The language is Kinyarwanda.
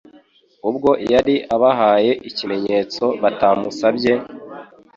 Ubwo yari abahaye ikimenyetso batamusabye,